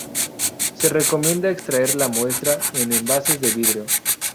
Se recomienda extraer la muestra en envases de vidrio.